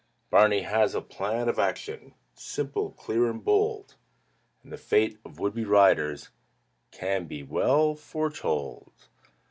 Barney has a plan of action, Simple, clear, and bold; And the fate of would be riders Can be well foretold.